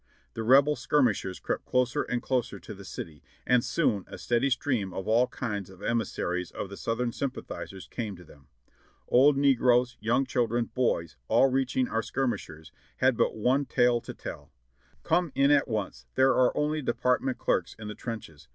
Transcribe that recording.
The Rel3el skirmishers crept closer and closer to the city, and soon a steady stream of all kinds of emissaries of the Southern sympa DISASTER AND DEFEAT IN THE VALLEY 65 I thizers came to them. Old negroes, young children, boys, all reaching our skirmishers, had but one tale to tell: "Come in at once, there are only Department clerks in the trenches.